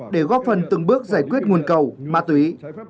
để góp phần từng bước giải quyết nguồn cầu ma túy